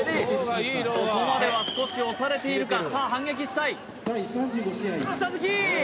ここまでは少し押されているかさあ反撃したい下突き！